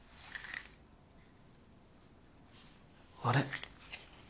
あれ？